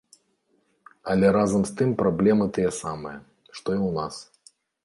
Але разам з тым праблемы тыя самыя, што і ў нас.